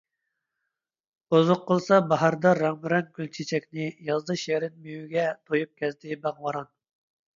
ئۇزۇق قىلسا باھاردا رەڭمۇرەڭ گۈل - چېچەكنى، يازدا شېرىن مېۋىگە تويۇپ كەزدى باغ - ۋاران.